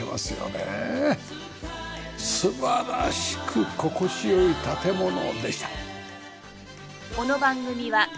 素晴らしく心地良い建物でした。